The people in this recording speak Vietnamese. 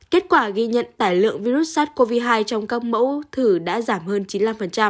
kết quả ghi nhận tải lượng virus sars cov hai trong các mẫu thử đã giảm hơn chín mươi năm